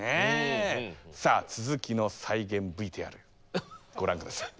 さあ続きの再現ＶＴＲご覧下さい。